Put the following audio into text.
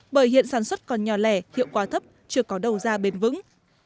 bởi hiện sản xuất còn nhỏ lẻ hiệu quả thấp chưa có đầu ra bền vững